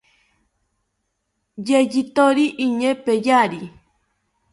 Yeyithori iñee peyari